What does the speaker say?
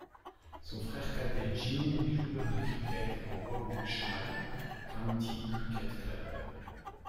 Son frère cadet Jim, est joueur de cricket, au Warwickshire County Cricket Club.